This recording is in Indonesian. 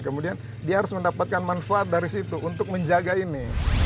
kemudian dia harus mendapatkan manfaat dari situ untuk menjaga ini